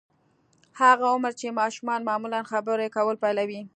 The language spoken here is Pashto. هغه عمر چې ماشومان معمولاً خبرې کول پيلوي.